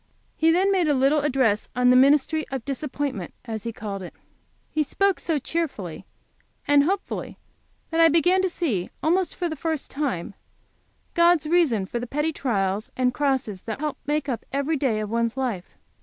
He then made a little address on the ministry of disappointments, as he called it. He spoke so cheerfully and hopefully that I began to see almost for the first time God's reason for the petty trials and crosses that help to make up every day of one's life.